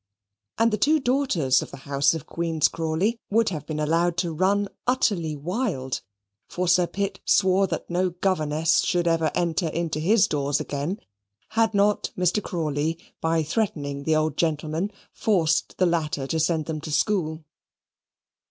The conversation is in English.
And the two daughters of the house of Queen's Crawley would have been allowed to run utterly wild (for Sir Pitt swore that no governess should ever enter into his doors again), had not Mr. Crawley, by threatening the old gentleman, forced the latter to send them to school.